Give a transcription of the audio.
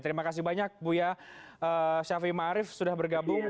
terima kasih banyak buya syafie ma'arif sudah bergabung